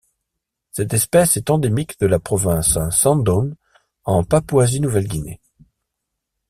Cette espèce est endémique de la province Sandaun en Papouasie-Nouvelle-Guinée.